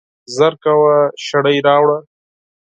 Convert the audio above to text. ژر کوه ، کمپل راوړه !